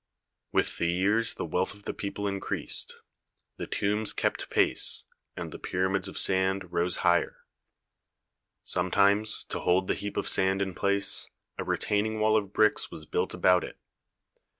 With the years the wealth of the people increased ; the tombs kept pace, and the pyramids of sand rose higher. Sometimes, to hold the heap of sand in place, a retaining wall of bricks was built about it.